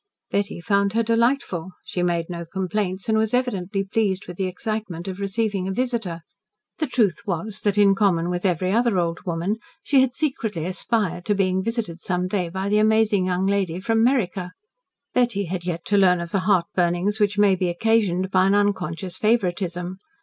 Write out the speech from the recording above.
Betty found her delightful. She made no complaints, and was evidently pleased with the excitement of receiving a visitor. The truth was, that in common with every other old woman, she had secretly aspired to being visited some day by the amazing young lady from "Meriker." Betty had yet to learn of the heartburnings which may be occasioned by an unconscious favouritism.